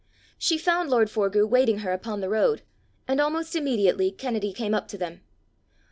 She found lord Forgue waiting her upon the road, and almost immediately Kennedy came up to them.